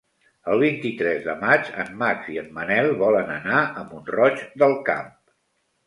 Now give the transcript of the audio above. El vint-i-tres de maig en Max i en Manel volen anar a Mont-roig del Camp.